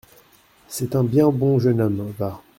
C’est un bien bon jeune homme, va.